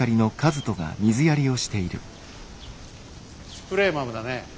スプレーマムだね。